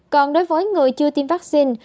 còn đối với người chưa tiêm vaccine